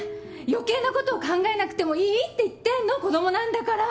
余計なことを考えなくてもいいって言ってんの子供なんだから。